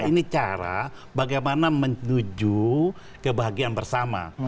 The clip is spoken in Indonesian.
ini cara bagaimana menuju kebahagiaan bersama